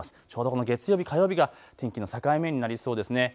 ちょうどこの月曜日、火曜日が天気の境目になりそうです。